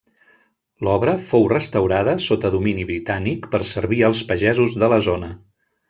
L'obra fou restaurada sota domini britànic per servir als pagesos de la zona.